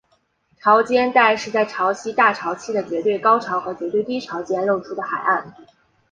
潮间带是在潮汐大潮期的绝对高潮和绝对低潮间露出的海岸。